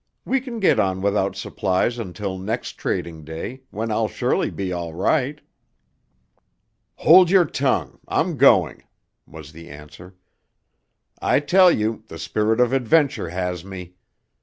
We can get on without supplies until next trading day, when I'll surely be all right." "Hold your tongue! I'm going," was the answer. "I tell you, the spirit of adventure has me.